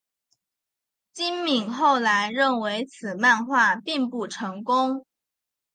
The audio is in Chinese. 今敏后来认为此漫画并不成功。